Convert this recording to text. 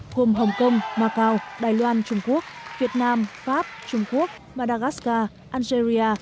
gồm hồng kông macau đài loan trung quốc việt nam pháp trung quốc madagascar algeria